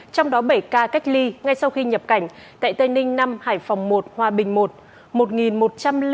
trong đó bảy ca cách ly ngay sau khi nhập cảnh tại tây ninh năm hải phòng một hòa bình i